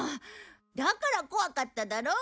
だから怖かっただろう？